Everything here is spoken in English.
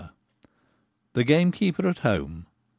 68 The Gamekeeper at Home.